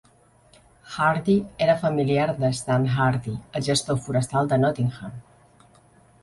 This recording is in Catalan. Hardy era familiar de Stan Hardy, el gestor forestal de Nottingham.